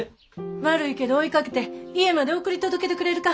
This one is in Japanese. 悪いけど追いかけて家まで送り届けてくれるか。